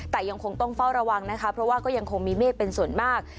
แต่ยังคงต้องเฝ้าระวังนะคะเพราะว่าก็ยังคงมีเมฆเป็นส่วนมาก